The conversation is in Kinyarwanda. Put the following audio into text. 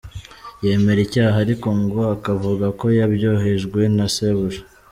Yemera icyaha ariko ngo akavuga ko yabyohejwe na sebuja.